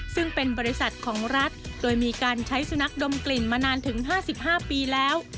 ซึ่งเป็นบริษัทของรัฐโดยมีการใช้สุนัขดมกลิ่นมานานถึง๕๕ปีแล้ว